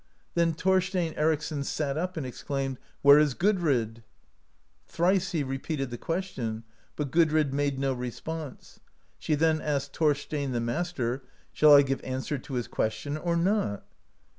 Then Thorstein Ericsson sat up, and exclaimed: *'Where is Gudrid?'* Thrice he re peated the question, but Gudrid made no response. She then asked Thorstein, the master, "Shall I give answer to his question or not?"